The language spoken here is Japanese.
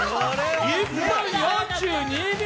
１分４２秒。